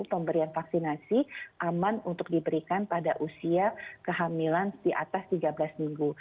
pemberian vaksinasi aman untuk diberikan pada usia kehamilan di atas tiga belas minggu